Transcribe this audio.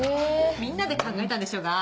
みんなで考えたんでしょうが。